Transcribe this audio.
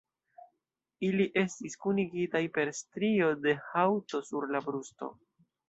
Ili estis kunigitaj per strio de haŭto sur la brusto.